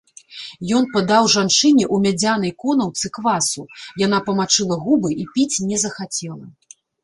Ён падаў жанчыне ў мядзянай конаўцы квасу, яна памачыла губы і піць не захацела.